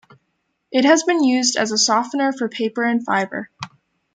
It has been used as a softener for paper and fiber.